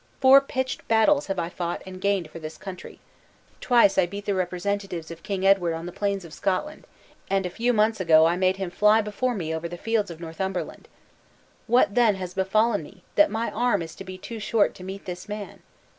Four pitched battles have I fought and gained for this country. Twice I beat the representatives of King Edward on the plains of Scotland; and a few months ago I made him fly before me over the fields of Northumberland! What then has befallen me, that my arm is to be too short to meet this man?